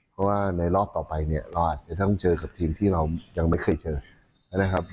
เพราะว่าในรอบต่อไปเนี่ยเราอาจจะต้องเจอกับทีมที่เรายังไม่เคยเจอนะครับ